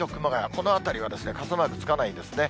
この辺りは傘マークつかないんですね。